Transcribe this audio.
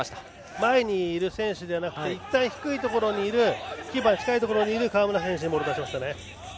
前にいる選手じゃなくていったん低いところにいるキーパーに近いところにいる川村選手にボールを出しましたね。